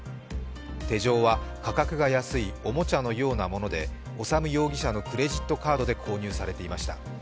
手錠は価格が安いおもちゃのようなもので修容疑者のクレジットカードで購入されていました。